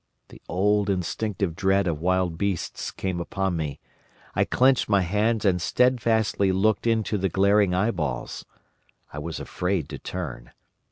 "The old instinctive dread of wild beasts came upon me. I clenched my hands and steadfastly looked into the glaring eyeballs. I was afraid to turn.